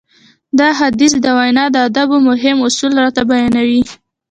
دا حديث د وينا د ادابو مهم اصول راته بيانوي.